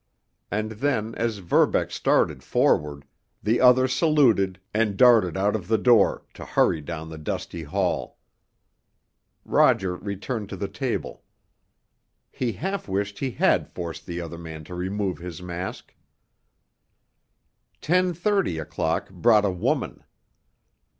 And then, as Verbeck started forward, the other saluted and darted out of the door, to hurry down the dusty hall. Roger returned to the table. He half wished he had forced the other man to remove his mask. Ten thirty o'clock brought a woman.